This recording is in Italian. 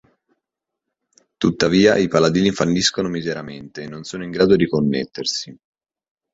Tuttavia, i Paladini falliscono miseramente e non sono in grado di connettersi.